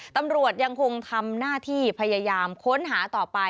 ตำรวจยังคงทำหน้าที่พยายามค้นหาต่อไป